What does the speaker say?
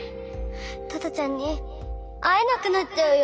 トトちゃんに会えなくなっちゃうよ！